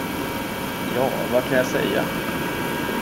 Ja, vad kan jag säga?